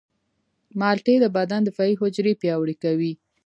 مالټې د بدن دفاعي حجرې پیاوړې کوي.